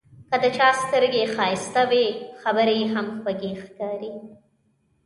که د چا سترګې ښایسته وي، خبرې یې هم خوږې ښکاري.